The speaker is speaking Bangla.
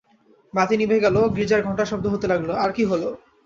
বাতি নিভে গেল, গির্জার ঘন্টার শব্দ হতে লাগল, আর কী হল?